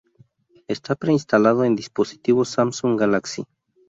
Está preinstalado en dispositivos Samsung Galaxy.